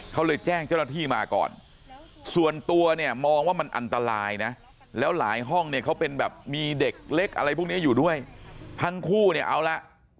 เขาเลยแจ้งเจ้าหน้าที่มาก่อนส่วนตัวเนี่ยมองว่ามันอันตรายนะแล้วหลายห้องเนี่ยเขาเป็นแบบมีเด็กเล็กอะไรพวกนี้อยู่ด้วยทั้งคู่เนี่ยเอาละ